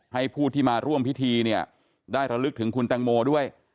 ให้ผู้ที่มาร่วมพิธีได้ระลึกถึงคุณตังโมด้วย